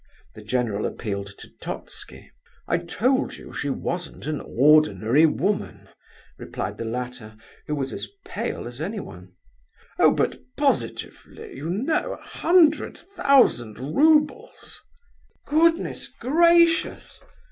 the general appealed to Totski. "I told you she wasn't an ordinary woman," replied the latter, who was as pale as anyone. "Oh, but, positively, you know—a hundred thousand roubles!" "Goodness gracious!